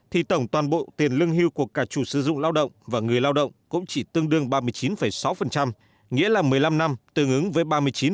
thì tổng toàn bộ tiền lương hưu của cả chủ sử dụng lao động và người lao động cũng chỉ tương đương ba mươi chín sáu nghĩa là một mươi năm năm tương ứng với ba mươi chín